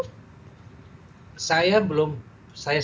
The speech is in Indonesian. saya belum saya sendiri belum pernah